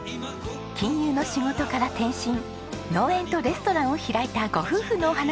金融の仕事から転身農園とレストランを開いたご夫婦のお話。